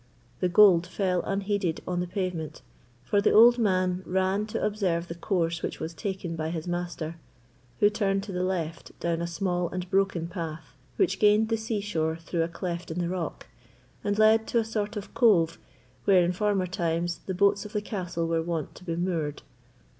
The gold fell unheeded on the pavement, for the old man ran to observe the course which was taken by his master, who turned to the left down a small and broken path, which gained the sea shore through a cleft in the rock, and led to a sort of cove where, in former times, the boats of the castle were wont to be moored.